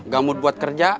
gamut buat kerja